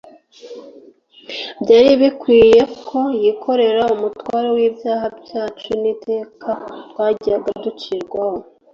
Byari bikwiye ko yikorera umutwaro w'ibyaha byacu n'iteka twajyaga gucirwaho,